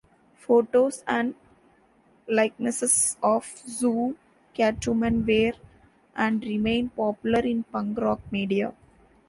Photos and likenesses of Soo Catwoman were, and remain, popular in punk rock media.